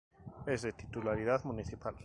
Es de titularidad municipal.